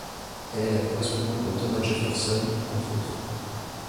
Elle est la correspondante de Thomas Jefferson, entre autres.